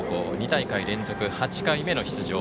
２大会連続８回目の出場。